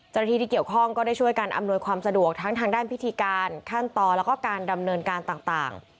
ที่เกี่ยวข้องก็ได้ช่วยกันอำนวยความสะดวกทั้งทางด้านพิธีการขั้นตอนแล้วก็การดำเนินการต่าง